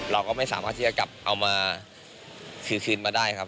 เราก็ไม่สามารถที่จะกลับเอามาคืนมาได้ครับ